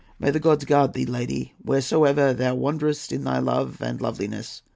"May the gods guard thee, lady, whereso'er Thou wanderest in thy love and loveliness!